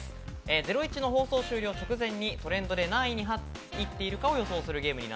『ゼロイチ』の放送終了直前にトレンドで何位に入っているか予想するゲームです。